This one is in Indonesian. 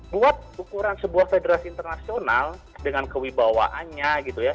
buat ukuran sebuah federasi internasional dengan kewibawaannya gitu ya